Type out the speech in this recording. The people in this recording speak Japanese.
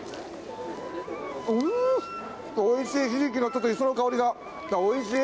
おいしいひじきのちょっと磯の香りがおいしい。